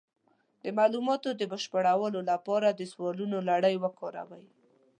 د معلوماتو د بشپړولو لپاره د سوالونو لړۍ وکاروئ.